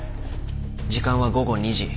時間は午後２時。